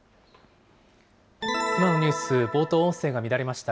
今のニュース、冒頭、音声が乱れました。